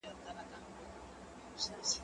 د کتابتون د کار مرسته د مور له خوا کيږي؟